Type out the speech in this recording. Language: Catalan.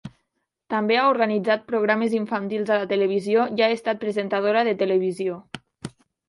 També ha organitzat programes infantils a la televisió i ha estat presentadora de Televisió.